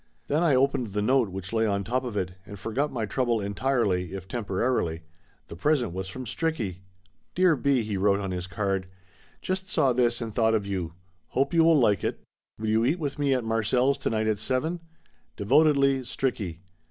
Then I opened the note which lay on top of it, and forgot my trouble entirely if temporarily. The present was from Stricky. "Dear B.," he wrote on his card. "Just saw this and thought of you. Hope you will like it. Will you eat with me at Marcelle's to night at seven? Devotedly Stricky.